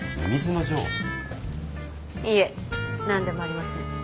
いえ何でもありません。